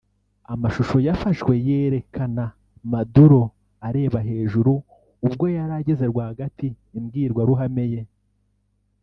Amashusho yafashwe yerekana Maduro areba hejuru ubwo yari ageze rwagati imbwirwaruhame ye